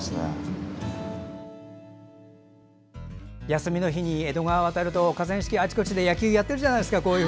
休みの日に江戸川を渡ると河川敷、あちこちで野球やってるじゃないですか。